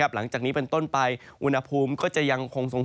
หลังจากนี้เป็นต้นไปอุณหภูมิก็จะยังคงสูง